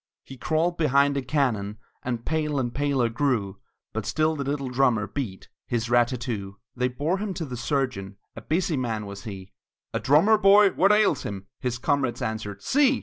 He crawled behind a cannon, And pale and paler grew; But still the little drummer beat His rat tat too! They bore him to the surgeon, A busy man was he: "A drummer boy what ails him?" His comrades answered, "See!"